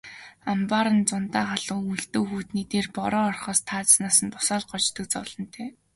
Амбаар нь зундаа халуун, өвөлдөө хүйтний дээр бороо орохоор таазнаас нь дусаал гоождог зовлонтой.